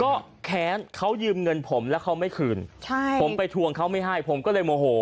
ก็แค้นเขายืมเงินผมแล้วเขาไม่คืนใช่ผมไปทวงเขาไม่ให้ผมก็เลยโมโห